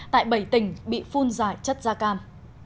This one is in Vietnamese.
tại bảy tỉnh bị phun giải chất da cam